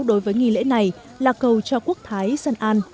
đối với nghi lễ này là cầu cho quốc thái dân an